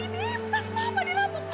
ini pas mama diramok